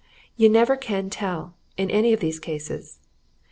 You never can tell in any of these cases.